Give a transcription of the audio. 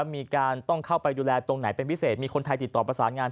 มีการต้องเข้าไปดูแลตรงไหนเป็นพิเศษมีคนไทยติดต่อประสานงาน